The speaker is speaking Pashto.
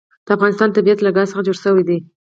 د افغانستان طبیعت له ګاز څخه جوړ شوی دی.